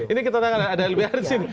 ini kita tanya ada lbh di sini